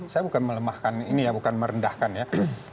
saya bukan melemahkan ini ya bukan merendahkan ya